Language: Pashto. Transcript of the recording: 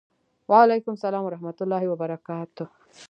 وعلیکم سلام ورحمة الله وبرکاته